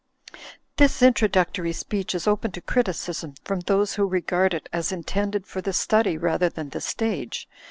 This introductory speech is open to criticism from those who regard it as intended for the study rather than the stage.